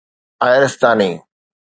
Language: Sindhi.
آئرستاني